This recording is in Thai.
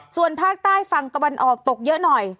ส่วนภาคใต้ฝั่งตะวันออกตกเยอะหน่อย